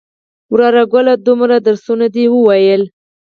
وراره گله دومره سبقان دې وويل.